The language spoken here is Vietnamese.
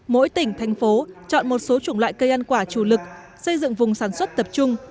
mỗi tỉnh thành phố chọn một số chủng loại cây ăn quả chủ lực xây dựng vùng sản xuất tập trung